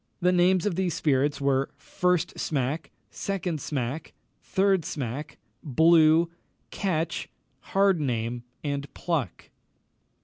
The names of these spirits were, "First Smack," "Second Smack," "Third Smack," "Blue," "Catch," "Hardname," and "Pluck."